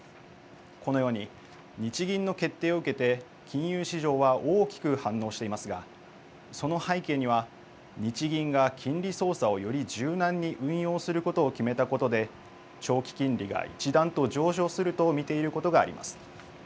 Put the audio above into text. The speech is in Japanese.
このように日銀の決定を受けて金融市場は大きく反応していますがその背景には日銀が金利操作をより柔軟に運用することを決めたことで長期金利が一段と上昇すると見ていることがあります。